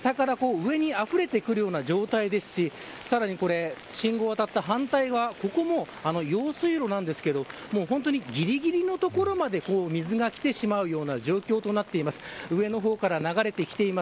ここも時折排水溝から処理しきれないような水が下から上にあふれてくるような状態でさらに、信号を渡った反対側ここも用水路なんですけど本当にぎりぎりの所まで水がきてしまうような状況となっています。